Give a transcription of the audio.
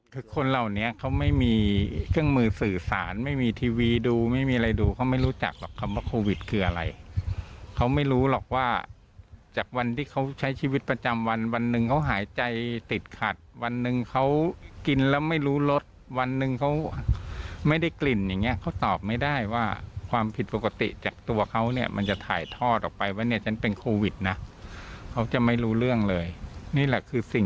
คือคนเหล่านี้เขาไม่มีเครื่องมือสื่อสารไม่มีทีวีดูไม่มีอะไรดูเขาไม่รู้จักหรอกคำว่าโควิดคืออะไรเขาไม่รู้หรอกว่าจากวันที่เขาใช้ชีวิตประจำวันวันหนึ่งเขาหายใจติดขัดวันหนึ่งเขากินแล้วไม่รู้รสวันหนึ่งเขาไม่ได้กลิ่นอย่างเงี้ยเขาตอบไม่ได้ว่าความผิดปกติจากตัวเขาเนี่ยมันจะถ่ายทอดออกไปว่าเนี่ยฉันเป็นโควิดนะเขาจะไม่รู้เรื่องเลยนี่แหละคือสิ่ง